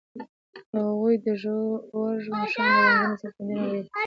هغوی د ژور ماښام له رنګونو سره سندرې هم ویلې.